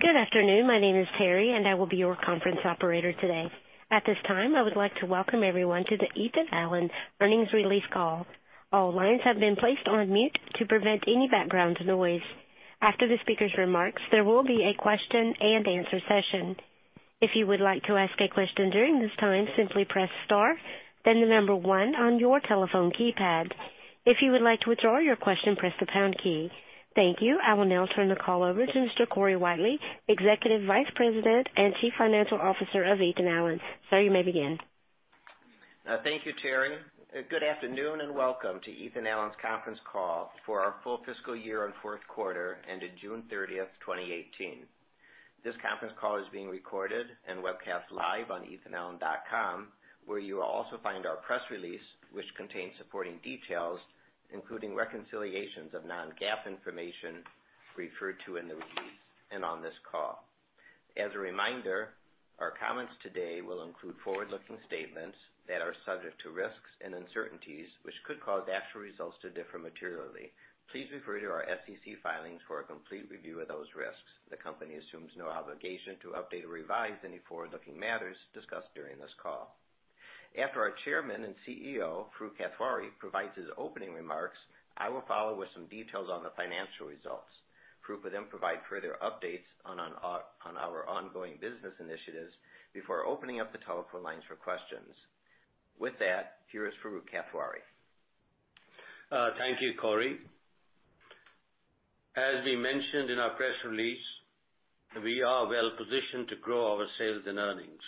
Good afternoon. My name is Terry, and I will be your conference operator today. At this time, I would like to welcome everyone to the Ethan Allen Earnings Release Call. All lines have been placed on mute to prevent any background noise. After the speaker's remarks, there will be a question and answer session. If you would like to ask a question during this time, simply press star, then the number 1 on your telephone keypad. If you would like to withdraw your question, press the pound key. Thank you. I will now turn the call over to Mr. Corey Whitely, Executive Vice President and Chief Financial Officer of Ethan Allen. Sir, you may begin. Thank you, Terry. Good afternoon, and welcome to Ethan Allen's conference call for our full fiscal year and fourth quarter ended June 30th, 2018. This conference call is being recorded and webcast live on ethanallen.com, where you will also find our press release, which contains supporting details, including reconciliations of non-GAAP information referred to in the release and on this call. As a reminder, our comments today will include forward-looking statements that are subject to risks and uncertainties which could cause actual results to differ materially. Please refer to our SEC filings for a complete review of those risks. The company assumes no obligation to update or revise any forward-looking matters discussed during this call. After our Chairman and CEO, Farooq Kathwari, provides his opening remarks, I will follow with some details on the financial results. Farooq will then provide further updates on our ongoing business initiatives before opening up the telephone lines for questions. With that, here is Farooq Kathwari. Thank you, Corey. As we mentioned in our press release, we are well positioned to grow our sales and earnings.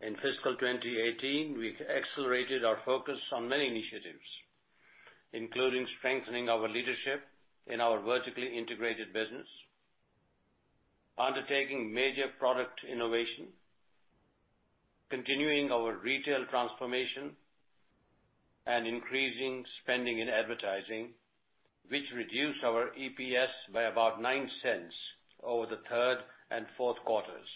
In fiscal 2018, we accelerated our focus on many initiatives, including strengthening our leadership in our vertically integrated business, undertaking major product innovation, continuing our retail transformation, and increasing spending in advertising, which reduced our EPS by about $0.09 over the third and fourth quarters.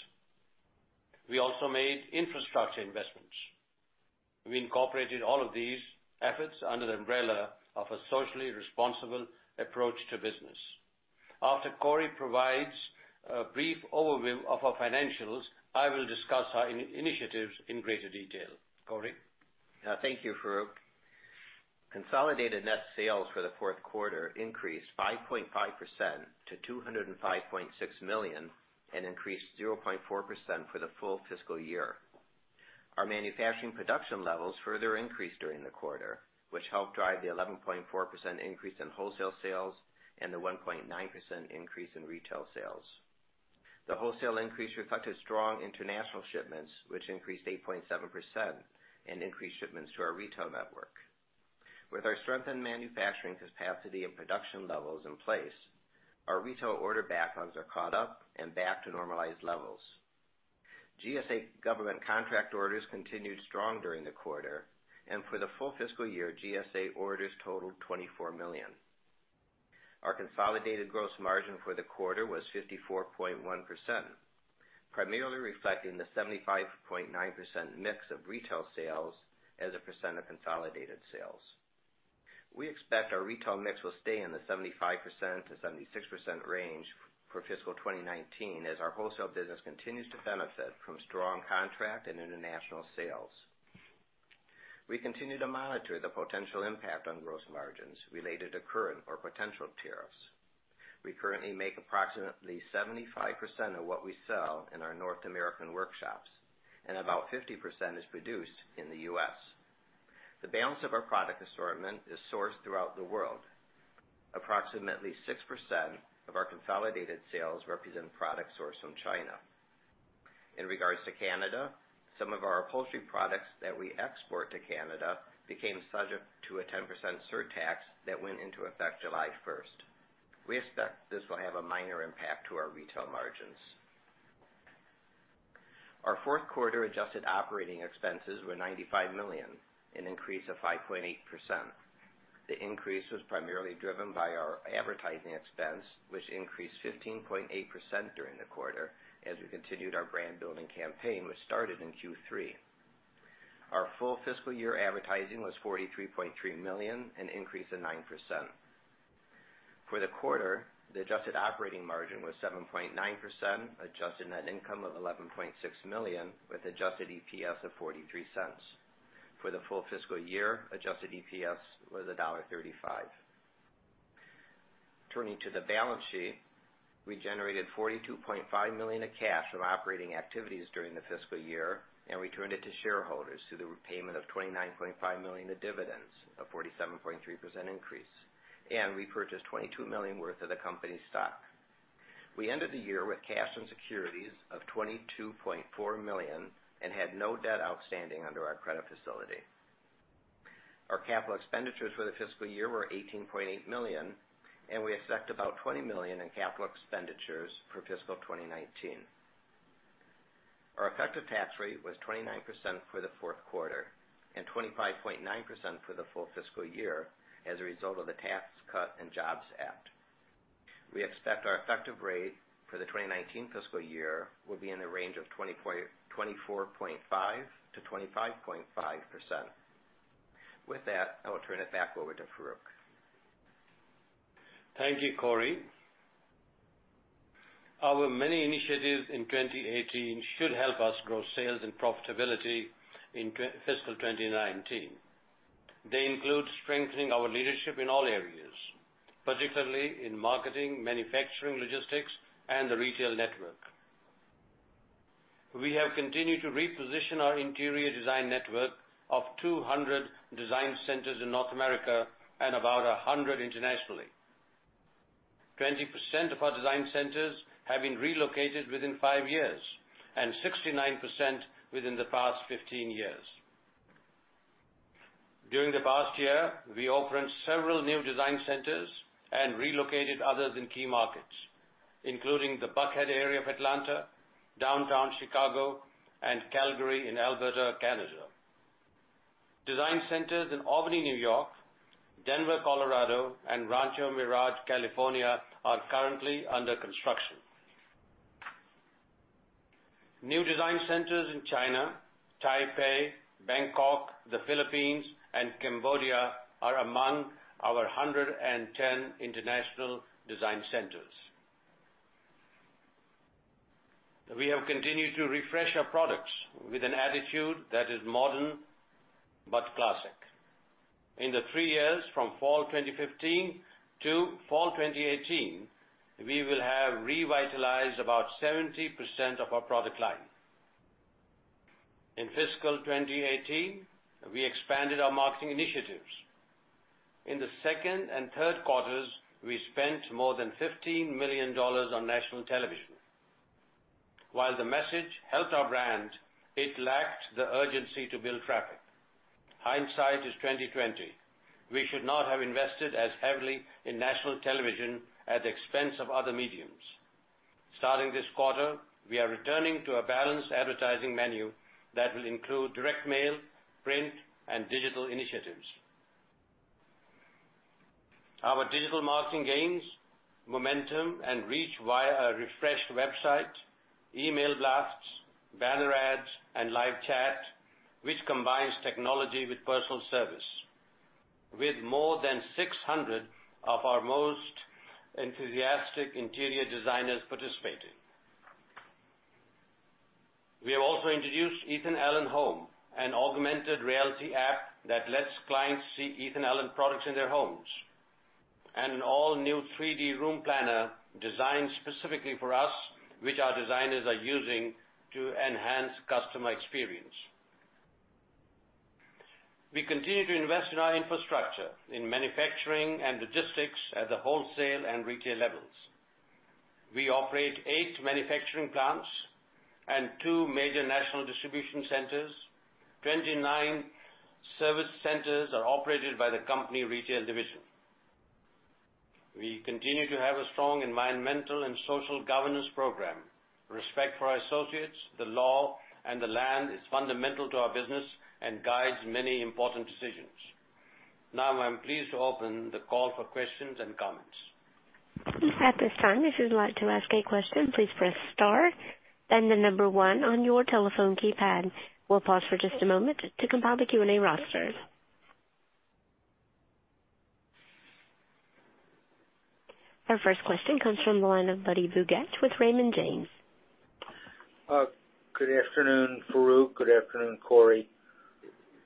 We also made infrastructure investments. We incorporated all of these efforts under the umbrella of a socially responsible approach to business. After Corey provides a brief overview of our financials, I will discuss our initiatives in greater detail. Corey? Thank you, Farooq. Consolidated net sales for the fourth quarter increased 5.5% to $205.6 million and increased 0.4% for the full fiscal year. Our manufacturing production levels further increased during the quarter, which helped drive the 11.4% increase in wholesale sales and the 1.9% increase in retail sales. The wholesale increase reflected strong international shipments, which increased 8.7%, and increased shipments to our retail network. With our strengthened manufacturing capacity and production levels in place, our retail order backlogs are caught up and back to normalized levels. GSA government contract orders continued strong during the quarter, and for the full fiscal year, GSA orders totaled $24 million. Our consolidated gross margin for the quarter was 54.1%, primarily reflecting the 75.9% mix of retail sales as a percent of consolidated sales. We expect our retail mix will stay in the 75%-76% range for fiscal 2019 as our wholesale business continues to benefit from strong contract and international sales. We continue to monitor the potential impact on gross margins related to current or potential tariffs. We currently make approximately 75% of what we sell in our North American workshops, and about 50% is produced in the U.S. The balance of our product assortment is sourced throughout the world. Approximately 6% of our consolidated sales represent products sourced from China. In regards to Canada, some of our upholstery products that we export to Canada became subject to a 10% surtax that went into effect July 1st. We expect this will have a minor impact to our retail margins. Our fourth quarter adjusted operating expenses were $95 million, an increase of 5.8%. The increase was primarily driven by our advertising expense, which increased 15.8% during the quarter as we continued our brand-building campaign, which started in Q3. Our full fiscal year advertising was $43.3 million, an increase of 9%. For the quarter, the adjusted operating margin was 7.9%, adjusted net income of $11.6 million with adjusted EPS of $0.43. For the full fiscal year, adjusted EPS was $1.35. Turning to the balance sheet, we generated $42.5 million of cash from operating activities during the fiscal year, and returned it to shareholders through the repayment of $29.5 million in dividends, a 47.3% increase, and repurchased $22 million worth of the company's stock. We ended the year with cash and securities of $22.4 million and had no debt outstanding under our credit facility. Our capital expenditures for the fiscal year were $18.8 million, and we expect about $20 million in capital expenditures for fiscal 2019. Our effective tax rate was 29% for the fourth quarter and 25.9% for the full fiscal year as a result of the Tax Cuts and Jobs Act. We expect our effective rate for the 2019 fiscal year will be in the range of 24.5%-25.5%. With that, I will turn it back over to Farooq. Thank you, Corey. Our many initiatives in 2018 should help us grow sales and profitability in fiscal 2019. They include strengthening our leadership in all areas, particularly in marketing, manufacturing, logistics, and the retail network. We have continued to reposition our interior design network of 200 design centers in North America and about 100 internationally. 20% of our design centers have been relocated within five years, and 69% within the past 15 years. During the past year, we opened several new design centers and relocated others in key markets, including the Buckhead area of Atlanta, downtown Chicago, and Calgary in Alberta, Canada. Design centers in Albany, New York, Denver, Colorado, and Rancho Mirage, California are currently under construction. New design centers in China, Taipei, Bangkok, the Philippines, and Cambodia are among our 110 international design centers. We have continued to refresh our products with an attitude that is modern but classic. In the three years from fall 2015 to fall 2018, we will have revitalized about 70% of our product line. In fiscal 2018, we expanded our marketing initiatives. In the second and third quarters, we spent more than $15 million on national television. While the message helped our brand, it lacked the urgency to build traffic. Hindsight is 2020. We should not have invested as heavily in national television at the expense of other mediums. Starting this quarter, we are returning to a balanced advertising menu that will include direct mail, print, and digital initiatives. Our digital marketing gains momentum and reach via a refreshed website, email blasts, banner ads, and live chat, which combines technology with personal service. With more than 600 of our most enthusiastic interior designers participating. We have also introduced Ethan Allen inHome, an augmented reality app that lets clients see Ethan Allen products in their homes, and an all-new 3D Room Planner designed specifically for us, which our designers are using to enhance customer experience. We continue to invest in our infrastructure in manufacturing and logistics at the wholesale and retail levels. We operate eight manufacturing plants and two major national distribution centers. 29 service centers are operated by the company retail division. We continue to have a strong environmental and social governance program. Respect for our associates, the law, and the land is fundamental to our business and guides many important decisions. Now, I'm pleased to open the call for questions and comments. At this time, if you'd like to ask a question, please press star, then the number one on your telephone keypad. We'll pause for just a moment to compile the Q&A roster. Our first question comes from the line of Budd Bugatch with Raymond James. Good afternoon, Farooq. Good afternoon, Corey.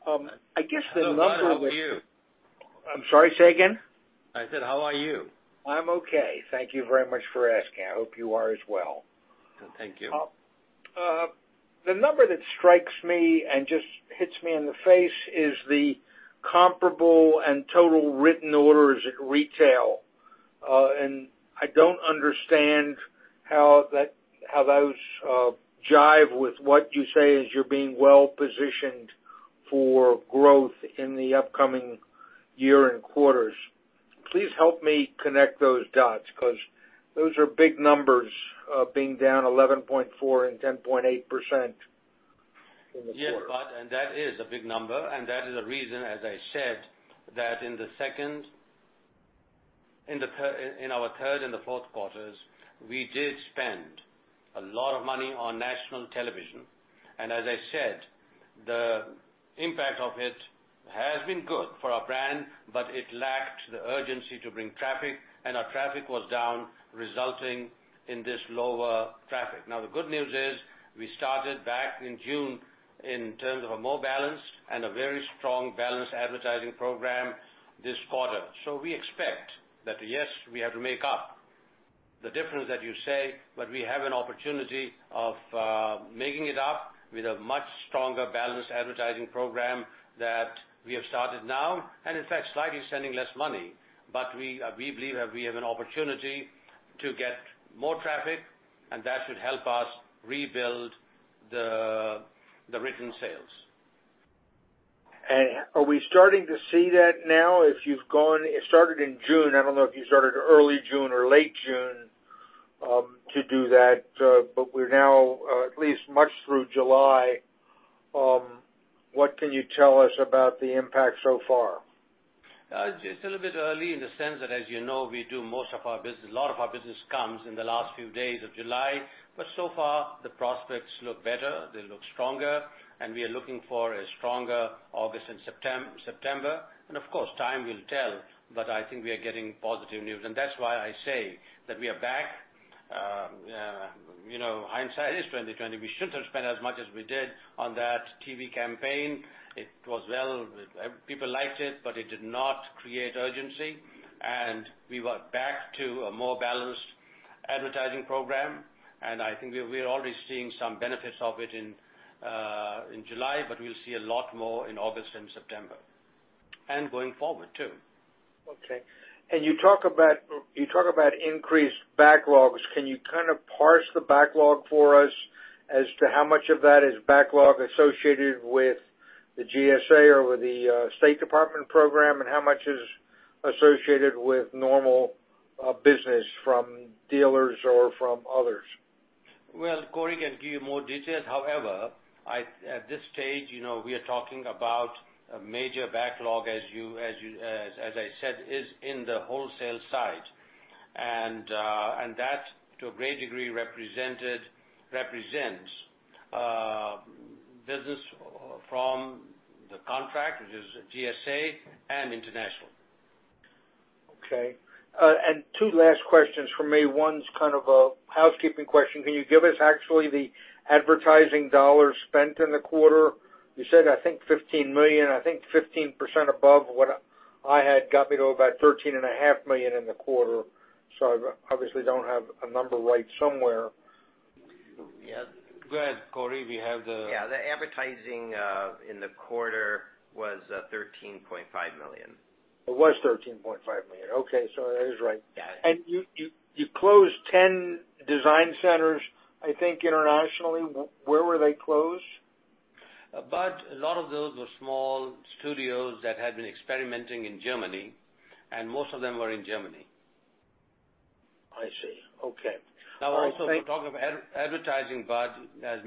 I guess the number. Hello, Budd. How are you? I'm sorry, say again? I said, how are you? I'm okay. Thank you very much for asking. I hope you are as well. Thank you. The number that strikes me and just hits me in the face is the comparable and total written orders at retail. I don't understand how those jive with what you say is you're being well-positioned for growth in the upcoming year-end quarters. Please help me connect those dots because those are big numbers, being down 11.4% and 10.8% in the quarter. Yes, Budd, that is a big number, that is a reason, as I said, that in our third and the fourth quarters, we did spend a lot of money on national television. As I said, the impact of it has been good for our brand, but it lacked the urgency to bring traffic, and our traffic was down, resulting in this lower traffic. Now, the good news is, we started back in June in terms of a more balanced and a very strong balanced advertising program this quarter. We expect that, yes, we have to make up the difference that you say, but we have an opportunity of making it up with a much stronger balanced advertising program that we have started now, and in fact, slightly spending less money. We believe that we have an opportunity to get more traffic, and that should help us rebuild the written sales. Are we starting to see that now? It started in June. I don't know if you started early June or late June to do that, but we're now at least much through July. What can you tell us about the impact so far? It's a little bit early in the sense that, as you know, we do most of our business, a lot of our business comes in the last few days of July. So far, the prospects look better, they look stronger, and we are looking for a stronger August and September. Of course, time will tell, but I think we are getting positive news. That's why I say that we are back. Hindsight is 20/20. We shouldn't have spent as much as we did on that TV campaign. People liked it, but it did not create urgency. We were back to a more balanced advertising program, and I think we are already seeing some benefits of it in July, but we'll see a lot more in August and September, and going forward, too. Okay. You talk about increased backlogs. Can you kind of parse the backlog for us as to how much of that is backlog associated with the GSA or with the State Department program, and how much is associated with normal business from dealers or from others? Well, Corey can give you more details. However, at this stage, we are talking about a major backlog, as I said, is in the wholesale side. That, to a great degree, represents business from the contract, which is GSA and international. Okay. Two last questions from me. One's kind of a housekeeping question. Can you give us actually the advertising dollars spent in the quarter? You said, I think $15 million. I think 15% above what I had got me to about $13.5 million in the quarter. I obviously don't have a number right somewhere. Yeah. Go ahead, Corey. Yeah. The advertising in the quarter was $13.5 million. It was $13.5 million. Okay, that is right. Yeah. You closed 10 design centers, I think internationally. Where were they closed? Budd, a lot of those were small studios that had been experimenting in Germany, most of them were in Germany. I see. Okay. Also, we talk of advertising, Budd. As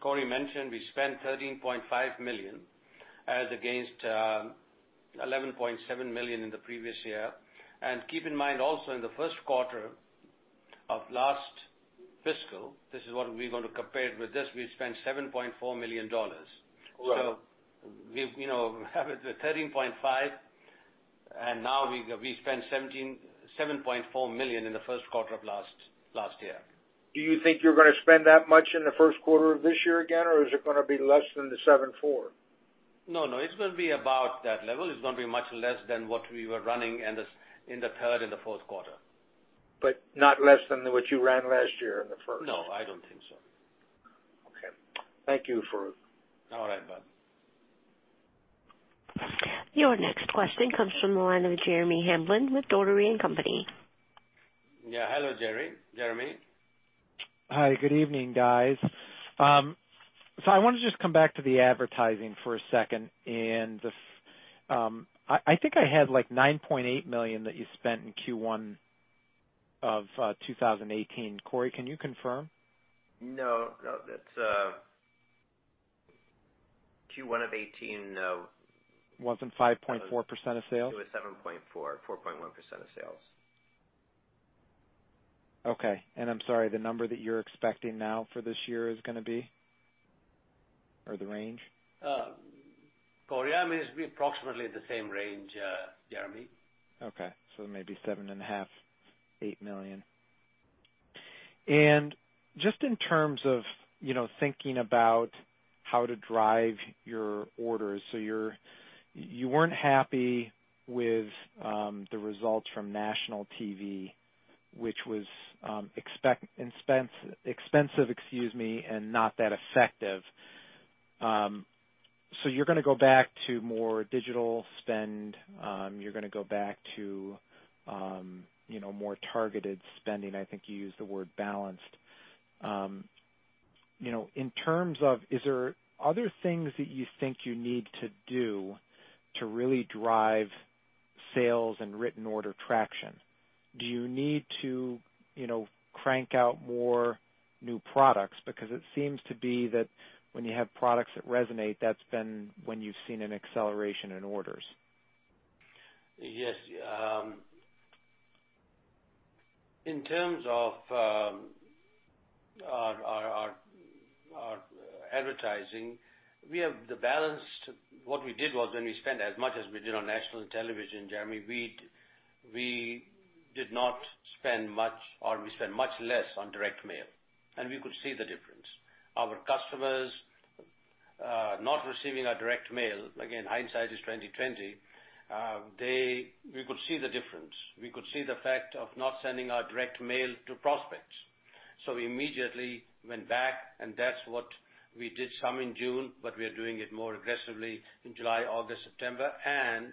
Corey mentioned, we spent $13.5 million as against $11.7 million in the previous year. Keep in mind also, in the first quarter of last fiscal, this is what we're going to compare it with this, we spent $7.4 million. Right. We have the $13.5 million, now we spent $7.4 million in the first quarter of last year. Do you think you're gonna spend that much in the first quarter of this year again, or is it gonna be less than the $7.4 million? No, it's gonna be about that level. It's not gonna be much less than what we were running in the third and the fourth quarter. Not less than what you ran last year in the first? No, I don't think so. Okay. Thank you for All right, Budd. Your next question comes from the line of Jeremy Hamblin with Dougherty & Company. Yeah. Hello, Jeremy. Hi, good evening, guys. I want to just come back to the advertising for a second. I think I had like $9.8 million that you spent in Q1 of 2018. Corey, can you confirm? No, that's Q1 of 2018, no. Wasn't 5.4% of sales? It was 7.4.1% of sales. Okay. I'm sorry, the number that you're expecting now for this year is gonna be? Or the range? Corey, I mean, it's approximately the same range, Jeremy. Maybe seven and a half million, $8 million. Just in terms of thinking about how to drive your orders. You weren't happy with the results from national TV, which was expensive, excuse me, and not that effective. You're going to go back to more digital spend. You're going to go back to more targeted spending. I think you used the word balanced. In terms of, is there other things that you think you need to do to really drive sales and written order traction? Do you need to crank out more new products? It seems to be that when you have products that resonate, that's been when you've seen an acceleration in orders. Yes. In terms of our advertising, we have the balance. What we did was when we spent as much as we did on national television, Jeremy, we did not spend much, or we spent much less on direct mail, and we could see the difference. Our customers, not receiving our direct mail, again, hindsight is 20/20. We could see the difference. We could see the fact of not sending our direct mail to prospects. We immediately went back, and that's what we did some in June, but we are doing it more aggressively in July, August, September, and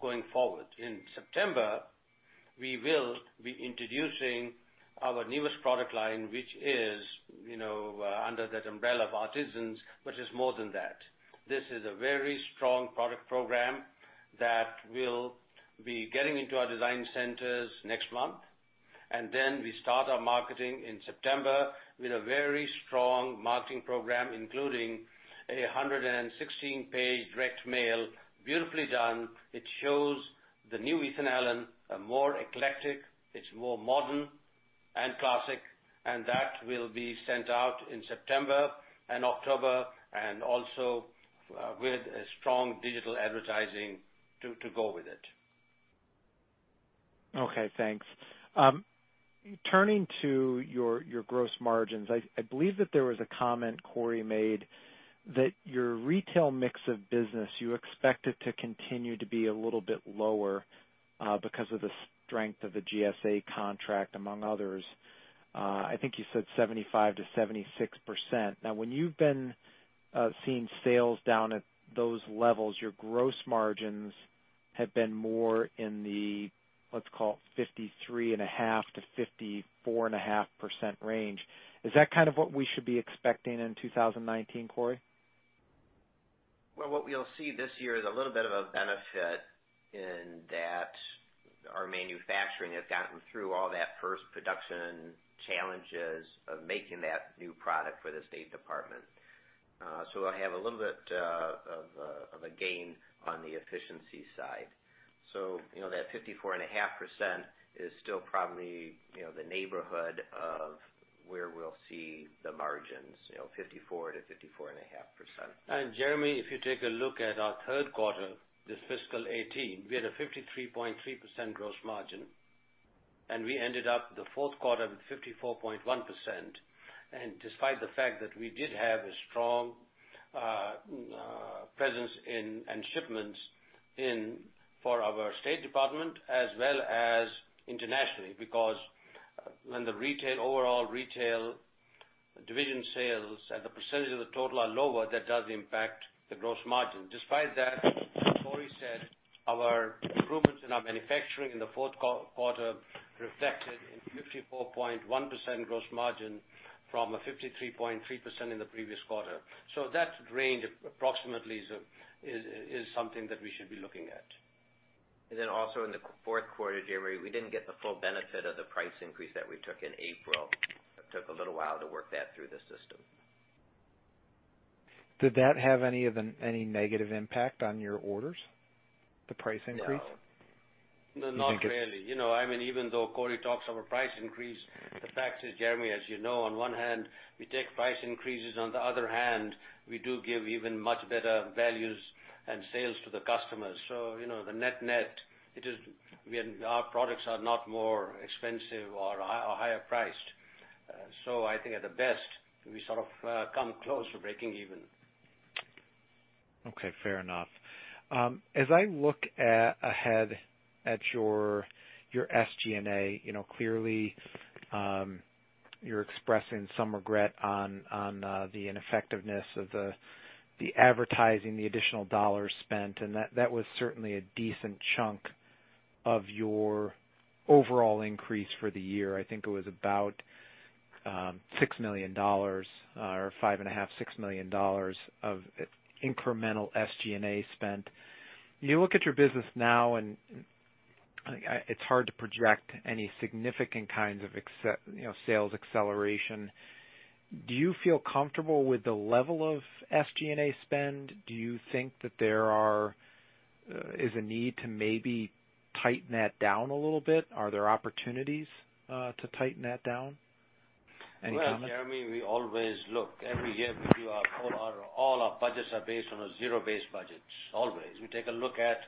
going forward. In September, we will be introducing our newest product line, which is under that umbrella of Artisans, but it's more than that. This is a very strong product program that will be getting into our design centers next month. We start our marketing in September with a very strong marketing program, including a 116-page direct mail, beautifully done. It shows the new Ethan Allen, more eclectic, it's more modern and classic, and that will be sent out in September and October, and also with strong digital advertising to go with it. Okay, thanks. Turning to your gross margins, I believe that there was a comment Corey made that your retail mix of business, you expect it to continue to be a little bit lower because of the strength of the GSA contract, among others. I think you said 75%-76%. Now, when you've been seeing sales down at those levels, your gross margins have been more in the, let's call it 53.5%-54.5% range. Is that kind of what we should be expecting in 2019, Corey? What we'll see this year is a little bit of a benefit in that our manufacturing has gotten through all that first production challenges of making that new product for the State Department. We'll have a little bit of a gain on the efficiency side. That 54.5% is still probably the neighborhood of where we'll see the margins, 54%-54.5%. Jeremy, if you take a look at our third quarter, this fiscal 2018, we had a 53.3% gross margin, and we ended up the fourth quarter with 54.1%. Despite the fact that we did have a strong presence in shipments for our State Department, as well as internationally, because when the overall retail division sales and the percentage of the total are lower, that does impact the gross margin. Despite that, as Corey said, our improvements in our manufacturing in the fourth quarter reflected in 54.1% gross margin from a 53.3% in the previous quarter. That range, approximately, is something that we should be looking at. Also in the fourth quarter, Jeremy, we didn't get the full benefit of the price increase that we took in April. It took a little while to work that through the system. Did that have any negative impact on your orders, the price increase? No. No. Do you think it- Not really. Even though Corey talks of a price increase, the fact is, Jeremy, as you know, on one hand, we take price increases. On the other hand, we do give even much better values and sales to the customers. The net-net, our products are not more expensive or higher priced. I think at the best, we sort of come close to breaking even. Okay, fair enough. As I look ahead at your SG&A, clearly, you're expressing some regret on the ineffectiveness of the advertising, the additional dollars spent, that was certainly a decent chunk of your overall increase for the year. I think it was about $6 million or $5.5 million, $6 million of incremental SG&A spent. You look at your business now, it's hard to project any significant kinds of sales acceleration. Do you feel comfortable with the level of SG&A spend? Do you think that there is a need to maybe tighten that down a little bit? Are there opportunities to tighten that down? Any comment? Well, Jeremy, we always look. Every year, all our budgets are based on a zero-based budget. Always. We take a look at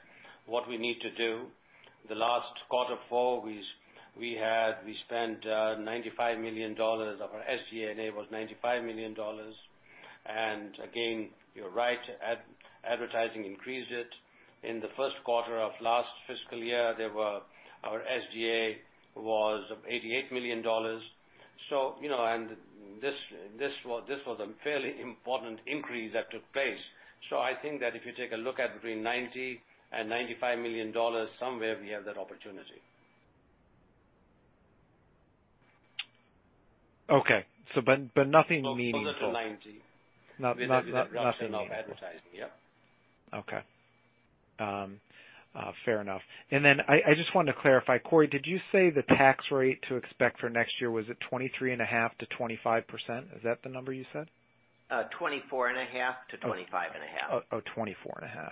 what we need to do. The last quarter four, we spent $95 million. Our SG&A was $95 million. Again, you're right, advertising increased it. In the first quarter of last fiscal year, our SG&A was $88 million. This was a fairly important increase that took place. I think that if you take a look at between $90 million and $95 million, somewhere we have that opportunity. Okay. Nothing meaningful. A little to 90. Nothing meaningful. With the reduction of advertising. Yep. Okay. Fair enough. I just wanted to clarify, Corey, did you say the tax rate to expect for next year, was it 23.5%-25%? Is that the number you said? 24.5%-25.5%. 24.5%.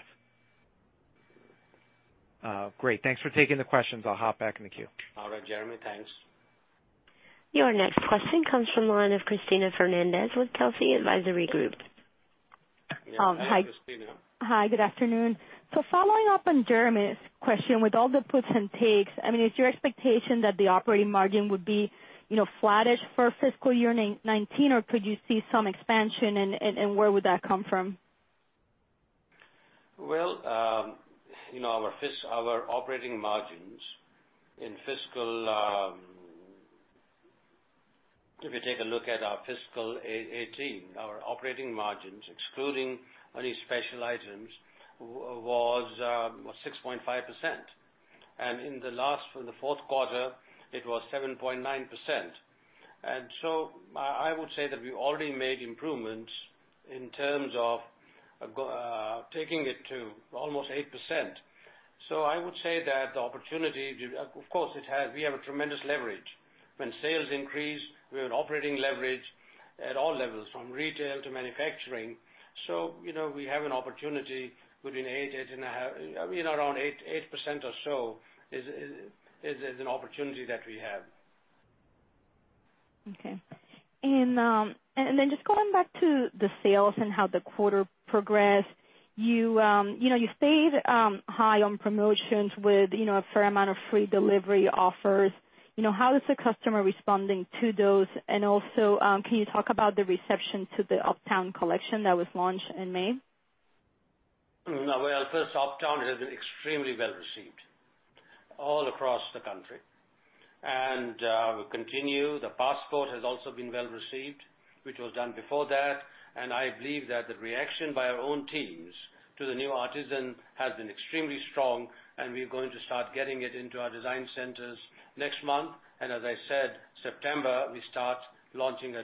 Great. Thanks for taking the questions. I'll hop back in the queue. All right, Jeremy. Thanks. Your next question comes from the line of Cristina Fernández with Keefe, Bruyette & Woods. Hi, Cristina. Hi. Good afternoon. Following up on Jeremy's question, with all the puts and takes, is your expectation that the operating margin would be flattish for fiscal year 2019, or could you see some expansion, and where would that come from? If we take a look at our fiscal 2018, our operating margins, excluding any special items, was 6.5%. In the last, for the fourth quarter, it was 7.9%. I would say that we already made improvements in terms of taking it to almost 8%. I would say that the opportunity, of course, we have a tremendous leverage. When sales increase, we have an operating leverage at all levels, from retail to manufacturing. We have an opportunity within 8.5%, around 8% or so is an opportunity that we have. Just going back to the sales and how the quarter progressed, you stayed high on promotions with a fair amount of free delivery offers. How is the customer responding to those? Also, can you talk about the reception to the Uptown collection that was launched in May? Well, first, Uptown has been extremely well-received all across the country. Will continue. The Passport has also been well-received, which was done before that, I believe that the reaction by our own teams to the new Artisan has been extremely strong, we're going to start getting it into our design centers next month. As I said, September, we start launching a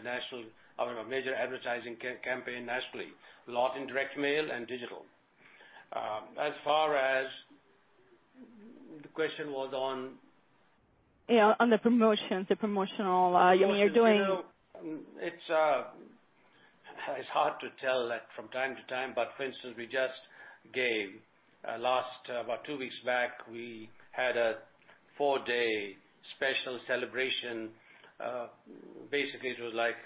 major advertising campaign nationally, a lot in direct mail and digital. As far as the question was on Yeah, on the promotions, Promotions. You're doing. It's hard to tell from time to time, For instance, we just gave, about two weeks back, we had a four-day special celebration. Basically, it was like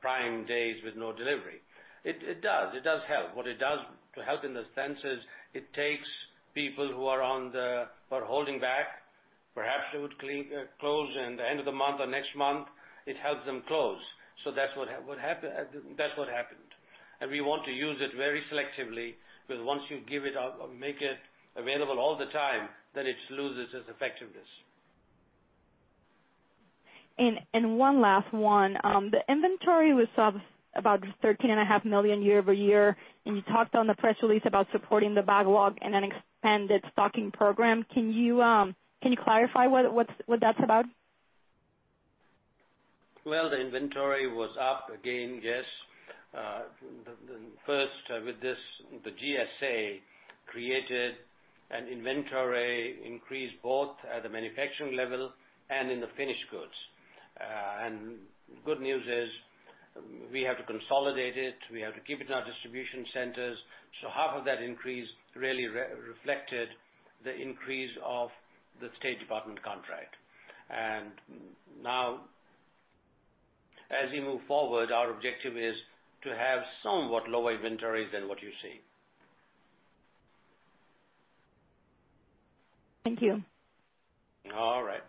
Prime Day with no delivery. It does. It does help. What it does to help in the sense is, it takes people who are holding back, perhaps they would close in the end of the month or next month, it helps them close. That's what happened. We want to use it very selectively, because once you give it out or make it available all the time, then it loses its effectiveness. One last one. The inventory was up about thirteen and a half million year-over-year, you talked on the press release about supporting the backlog and an expanded stocking program. Can you clarify what that's about? Well, the inventory was up again, yes. First, with this, the GSA created an inventory increase both at the manufacturing level and in the finished goods. Good news is we have to consolidate it, we have to keep it in our distribution centers. Half of that increase really reflected the increase of the State Department contract. Now, as we move forward, our objective is to have somewhat lower inventory than what you see. Thank you. All right.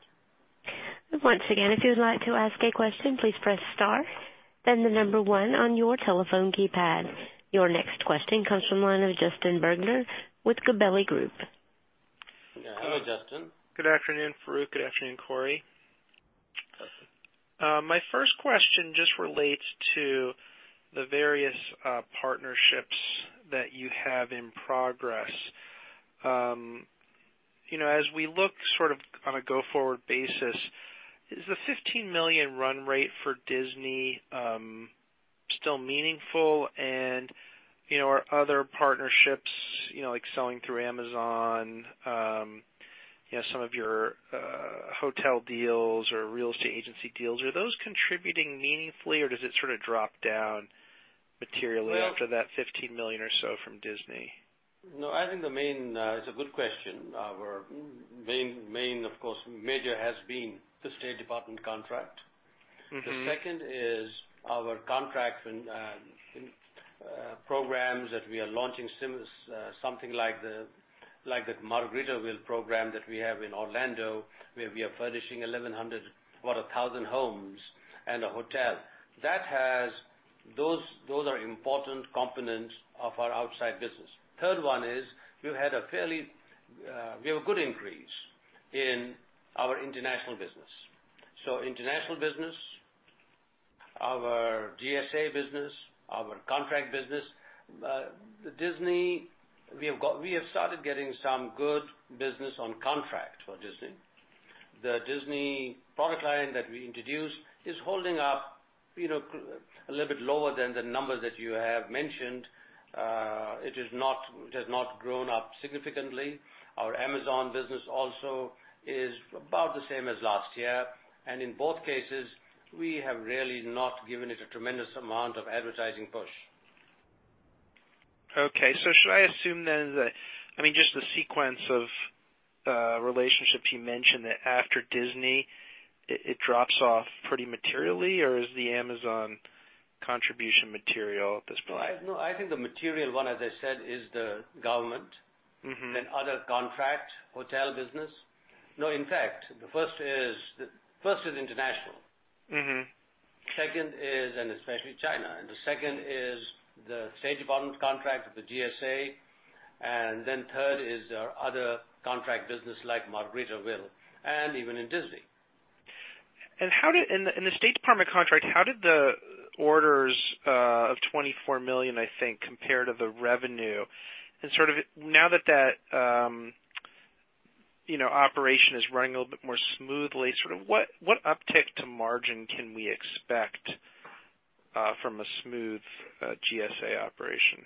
Once again, if you'd like to ask a question, please press star, then the number one on your telephone keypad. Your next question comes from the line of Justin Bergner with Gabelli Group. Hello, Justin. Good afternoon, Farooq. Good afternoon, Corey. Justin. My first question just relates to the various partnerships that you have in progress. As we look sort of on a go-forward basis, is the $15 million run rate for Disney still meaningful? Are other partnerships, like selling through Amazon, some of your hotel deals or real estate agency deals, are those contributing meaningfully or does it sort of drop down materially after that $15 million or so from Disney? No, it's a good question. Our main, of course, major has been the State Department contract. The second is our contract and programs that we are launching, something like the Margaritaville program that we have in Orlando, where we are furnishing 1,100, about 1,000 homes and a hotel. Those are important components of our outside business. Third one is we have a good increase in our international business. International business, our GSA business, our contract business. The Disney, we have started getting some good business on contract for Disney. The Disney product line that we introduced is holding up a little bit lower than the numbers that you have mentioned. It has not grown up significantly. Our Amazon business also is about the same as last year, and in both cases, we have really not given it a tremendous amount of advertising push. Okay. Should I assume then that, just the sequence of relationships you mentioned, that after Disney, it drops off pretty materially, or is the Amazon contribution material at this point? No, I think the material one, as I said, is the government. Other contract, hotel business. No, in fact, the first is international. Second is, especially China. The second is the State Department contract with the GSA, third is our other contract business like Margaritaville and even in Disney. In the State Department contract, how did the orders of $24 million, I think, compare to the revenue? Sort of now that operation is running a little bit more smoothly. What uptick to margin can we expect from a smooth GSA operation?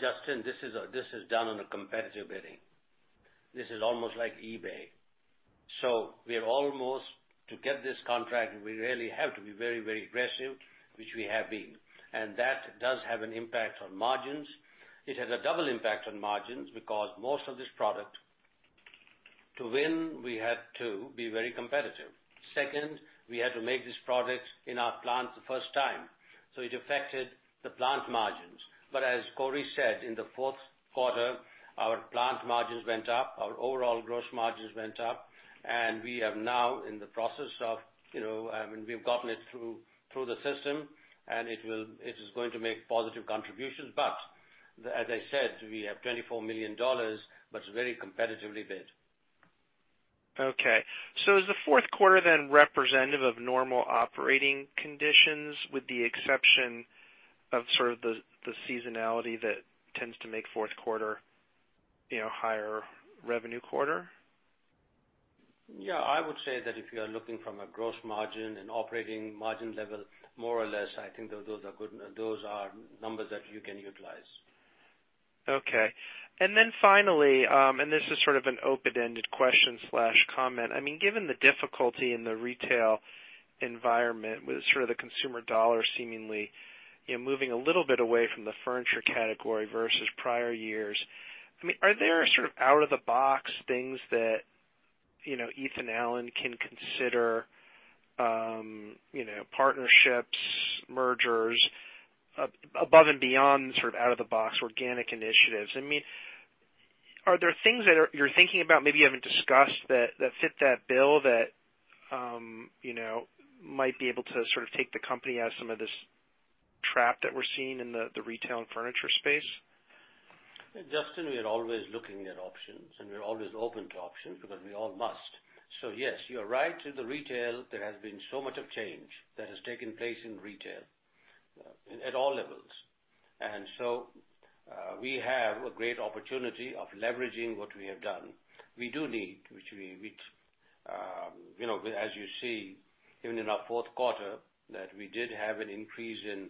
Justin, this is done on a competitive bidding. This is almost like eBay. To get this contract, we really have to be very, very aggressive, which we have been. That does have an impact on margins. It has a double impact on margins because most of this product, to win, we had to be very competitive. Second, we had to make this product in our plants the first time, so it affected the plant margins. As Corey said, in the fourth quarter, our plant margins went up, our overall gross margins went up, and we have now in the process of, we've gotten it through the system, and it is going to make positive contributions. As I said, we have $24 million, it's very competitively bid. Okay. Is the fourth quarter then representative of normal operating conditions with the exception of sort of the seasonality that tends to make fourth quarter higher revenue quarter? Yeah. I would say that if you are looking from a gross margin and operating margin level, more or less, I think those are numbers that you can utilize. Okay. Finally, this is sort of an open-ended question/comment. Given the difficulty in the retail environment with sort of the consumer dollar seemingly moving a little bit away from the furniture category versus prior years, are there sort of out-of-the-box things that Ethan Allen can consider, partnerships, mergers, above and beyond sort of out-of-the-box organic initiatives? Are there things that you're thinking about maybe you haven't discussed that fit that bill that might be able to sort of take the company out of some of this trap that we're seeing in the retail and furniture space? Justin, we are always looking at options, and we're always open to options because we all must. Yes, you are right. In the retail, there has been so much of change that has taken place in retail at all levels. We have a great opportunity of leveraging what we have done. We do need, as you see even in our fourth quarter, that we did have an increase in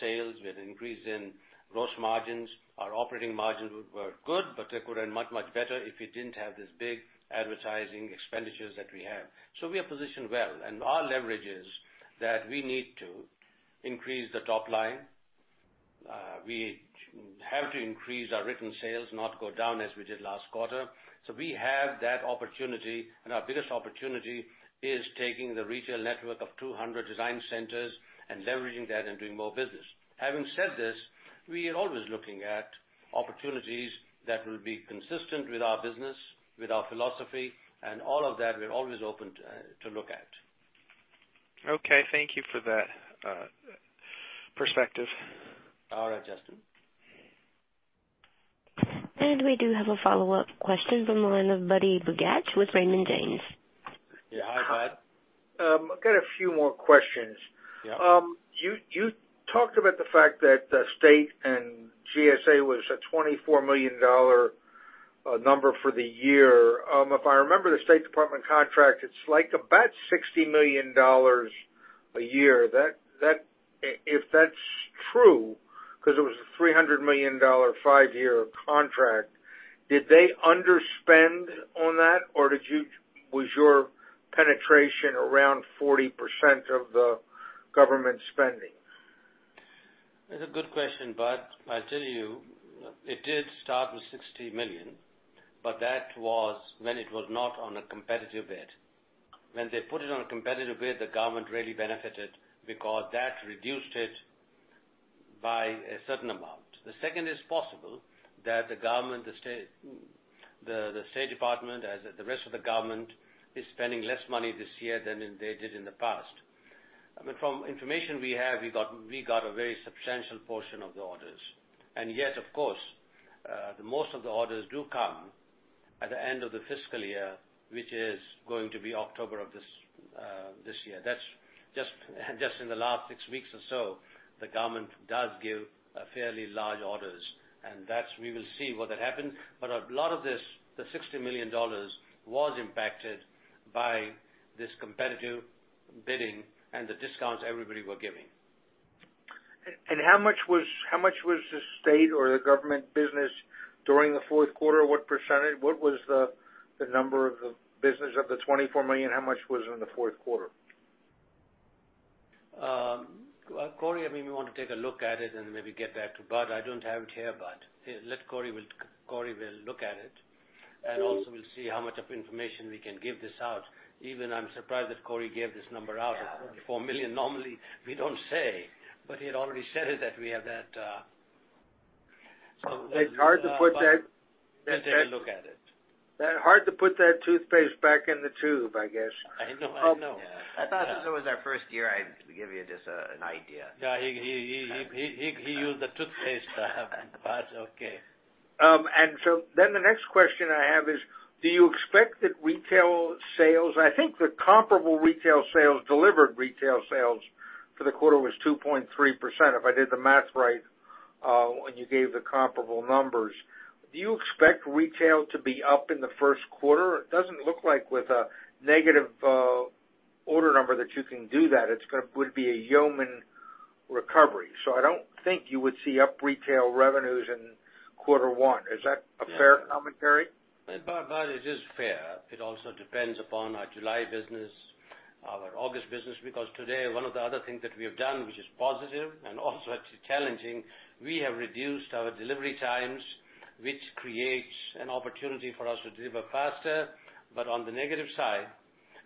sales. We had an increase in gross margins. Our operating margins were good, but they could have been much, much better if we didn't have these big advertising expenditures that we have. We are positioned well, and our leverage is that we need to increase the top line. We have to increase our written sales, not go down as we did last quarter. We have that opportunity, and our biggest opportunity is taking the retail network of 200 design centers and leveraging that and doing more business. Having said this, we are always looking at opportunities that will be consistent with our business, with our philosophy, and all of that we're always open to look at. Thank you for that perspective. All right, Justin. We do have a follow-up question from the line of Budd Bugatch with Raymond James. Yeah. Hi, Budd. I've got a few more questions. Yeah. You talked about the fact that the state and GSA was a $24 million number for the year. If I remember, the State Department contract, it's like about $60 million a year. If that's true, because it was a $300 million five-year contract, did they underspend on that, or was your penetration around 40% of the government spending? It's a good question, Bud. I'll tell you, it did start with $60 million, but that was when it was not on a competitive bid. When they put it on a competitive bid, the government really benefited because that reduced it by a certain amount. The second is possible, that the State Department, as the rest of the government, is spending less money this year than they did in the past. From information we have, we got a very substantial portion of the orders. Yes, of course, most of the orders do come at the end of the fiscal year, which is going to be October of this year. Just in the last six weeks or so, the government does give fairly large orders, and we will see whether it happens. A lot of this, the $60 million, was impacted by this competitive bidding and the discounts everybody were giving. How much was the state or the government business during the fourth quarter? What percentage? What was the number of the business of the $24 million? How much was in the fourth quarter? Corey, maybe you want to take a look at it and maybe get that to Bud. I don't have it here, Bud. Corey will look at it, we'll see how much of information we can give this out. Even I'm surprised that Corey gave this number out of $24 million. Normally, we don't say, he had already said it that we have that. It's hard to put that. We'll take a look at it. Hard to put that toothpaste back in the tube, I guess. I know. I know. Yeah. I thought since it was our first year, I'd give you just an idea. Yeah, he used the toothpaste. Okay. The next question I have is, do you expect that retail sales-- I think the comparable retail sales, delivered retail sales for the quarter was 2.3%, if I did the math right. When you gave the comparable numbers, do you expect retail to be up in the first quarter? It doesn't look like with a negative order number that you can do that. It would be a yeoman recovery, I don't think you would see up retail revenues in quarter one. Is that a fair commentary? Budd, it is fair. It also depends upon our July business, our August business, because today one of the other things that we have done, which is positive and also it's challenging, we have reduced our delivery times, which creates an opportunity for us to deliver faster. On the negative side,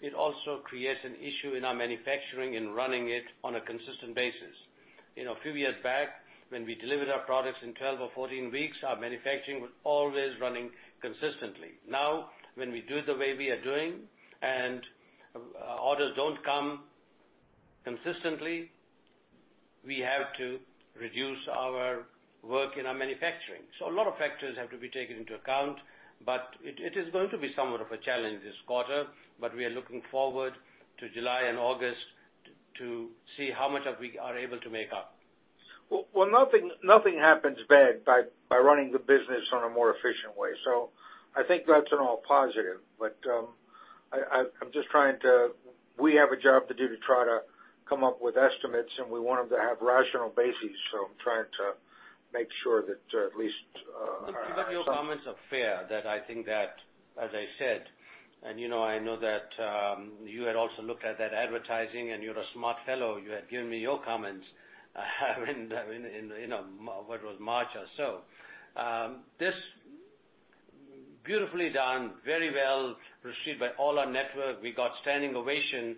it also creates an issue in our manufacturing in running it on a consistent basis. A few years back, when we delivered our products in 12 or 14 weeks, our manufacturing was always running consistently. Now, when we do it the way we are doing and orders don't come consistently, we have to reduce our work in our manufacturing. A lot of factors have to be taken into account, but it is going to be somewhat of a challenge this quarter. We are looking forward to July and August to see how much we are able to make up. Well, nothing happens bad by running the business on a more efficient way. I think that's in all positive. We have a job to do to try to come up with estimates, and we want them to have rational bases. I'm trying to make sure that at least. Your comments are fair, that I think that, as I said, and I know that you had also looked at that advertising, and you're a smart fellow. You had given me your comments in, what was it, March or so. This, beautifully done, very well received by all our network. We got standing ovation,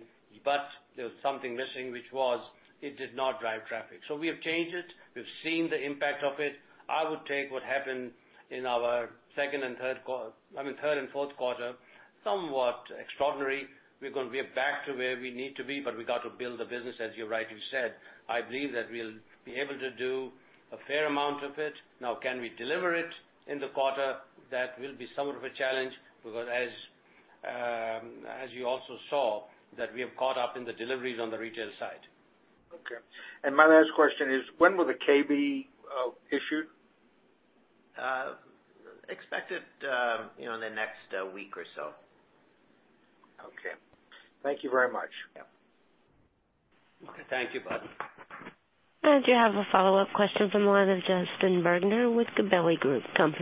there was something missing, which was it did not drive traffic. We have changed it. We've seen the impact of it. I would take what happened in our third and fourth quarter, somewhat extraordinary. We are going to be back to where we need to be, we got to build the business, as you rightly said. I believe that we'll be able to do a fair amount of it. Now, can we deliver it in the quarter? That will be somewhat of a challenge because as you also saw, that we have caught up in the deliveries on the retail side. Okay. My last question is, when will the 10-K issue? Expected in the next week or so. Okay. Thank you very much. Yeah. Okay. Thank you, Budd. You have a follow-up question from the line of Justin Bergner with Gabelli Group. Thanks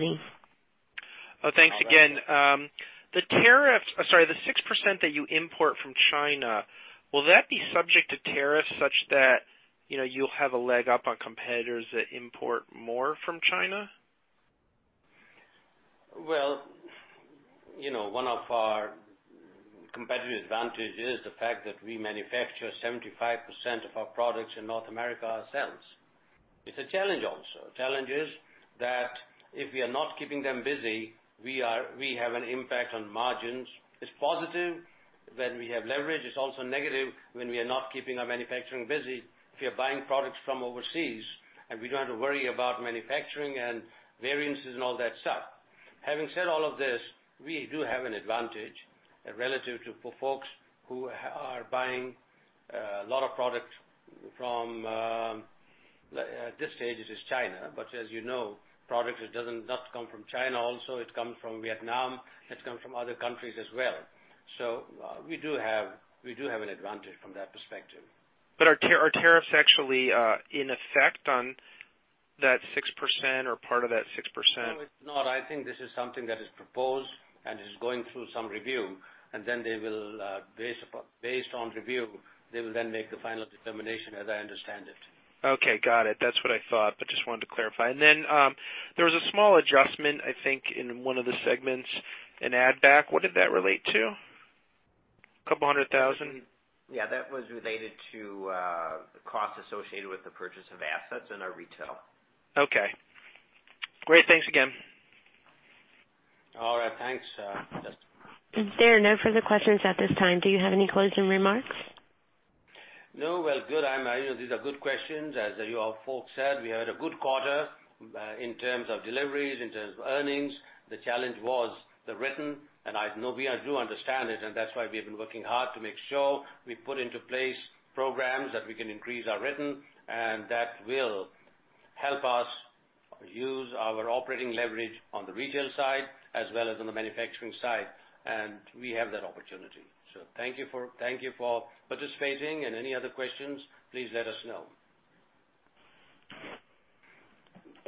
again. The 6% that you import from China, will that be subject to tariffs such that you'll have a leg up on competitors that import more from China? One of our competitive advantage is the fact that we manufacture 75% of our products in North America ourselves. It's a challenge also. Challenge is that if we are not keeping them busy, we have an impact on margins. It's positive when we have leverage. It's also negative when we are not keeping our manufacturing busy, if we are buying products from overseas, and we don't have to worry about manufacturing and variances and all that stuff. Having said all of this, we do have an advantage relative to folks who are buying a lot of product from, at this stage, it is China, but as you know, product doesn't just come from China also, it comes from Vietnam. It's come from other countries as well. We do have an advantage from that perspective. Are tariffs actually in effect on that 6% or part of that 6%? No, it's not. I think this is something that is proposed and is going through some review, and then based on review, they will then make the final determination as I understand it. Okay. Got it. That's what I thought, but just wanted to clarify. There was a small adjustment, I think, in one of the segments in add back. What did that relate to? It was $200,000. Yeah, that was related to costs associated with the purchase of assets in our retail. Okay. Great. Thanks again. All right. Thanks, Justin. There are no further questions at this time. Do you have any closing remarks? No. Well, good. These are good questions. As you all folks said, we had a good quarter, in terms of deliveries, in terms of earnings. The challenge was the written. I do understand it. That's why we have been working hard to make sure we put into place programs that we can increase our written. That will help us use our operating leverage on the retail side as well as on the manufacturing side. We have that opportunity. Thank you for participating. Any other questions, please let us know.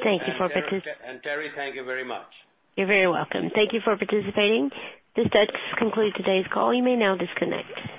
Thank you for participating. Terry, thank you very much. You're very welcome. Thank you for participating. This does conclude today's call. You may now disconnect.